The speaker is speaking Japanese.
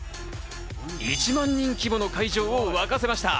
１万人規模の会場を沸かせました。